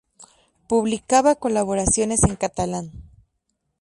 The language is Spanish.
Publicaba colaboraciones en catalán.